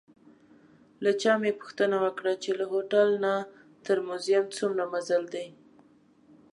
له چا مې پوښتنه وکړه چې له هوټل نه تر موزیم څومره مزل دی.